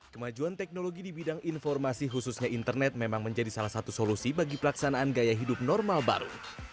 kemajuan teknologi di bidang informasi khususnya internet memang menjadi salah satu solusi bagi pelaksanaan gaya hidup normal baru